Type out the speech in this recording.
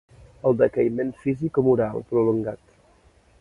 El decaïment, físic o moral, prolongat.